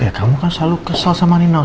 ya kamu kan selalu kesal sama nino